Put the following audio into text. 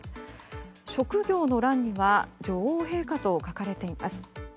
職業の欄には女王陛下と書かれています。